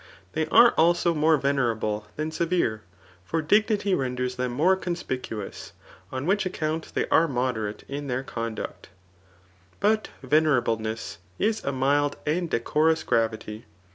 They are also more venerable than severe ; for dignity renders them more conspicuous ; on which account they are moderate in their conduct. But vene^ rableness is a mild and decorous gravity.